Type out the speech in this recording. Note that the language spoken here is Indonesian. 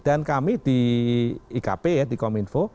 dan kami di ikp ya di kominfo